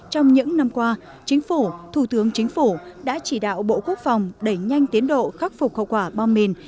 trong những năm qua chính phủ thủ tướng chính phủ đã chỉ đạo bộ quốc phòng đẩy nhanh tiến độ khắc phục hậu quả bom mìn